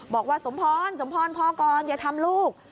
บอกว่าสมพรสมพรพอก่อนอย่าทำลูก